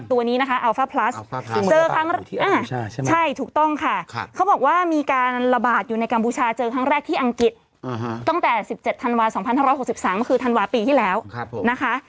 แต่๑๗ธันวาล๒๖๖๓คือธันวาลปีที่แล้วนะคะ